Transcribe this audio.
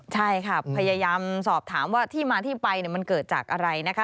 ใช่ค่ะพยายามสอบถามว่าที่มาที่ไปมันเกิดจากอะไรนะคะ